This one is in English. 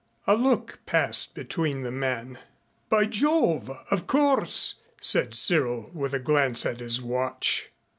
A look passed between the men. "By Jove of course," said Cyril with a glance at his watch.